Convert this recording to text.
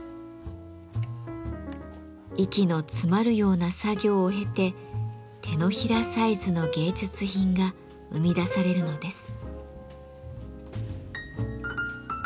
息の詰まるような作業を経て手のひらサイズの芸術品が生み出されるのです。